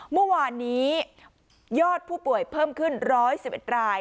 เมื่อวานนี้ยอดผู้ป่วยเพิ่มขึ้น๑๑๑ราย